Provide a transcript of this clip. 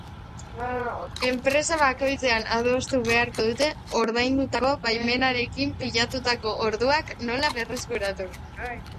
Enpresa bakoitzean adostu beharko dute ordaindutako baimenarekin pilatutako orduak nola berreskuratu.